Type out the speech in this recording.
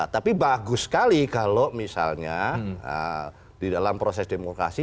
tapi bagus sekali kalau misalnya di dalam proses demokrasi